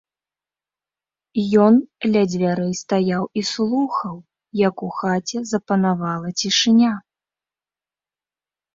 Ён ля дзвярэй стаяў і слухаў, як у хаце запанавала цішыня.